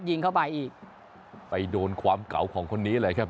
ยิงเข้าไปอีกไปโดนความเก่าของคนนี้เลยครับ